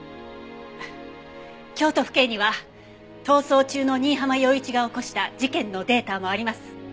京都府警には逃走中の新浜陽一が起こした事件のデータもあります。